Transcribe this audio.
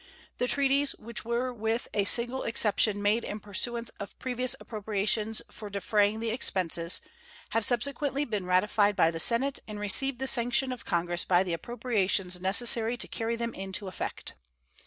The treaties, which were with a single exception made in pursuance of previous appropriations for defraying the expenses, have subsequently been ratified by the Senate, and received the sanction of Congress by the appropriations necessary to carry them into effect.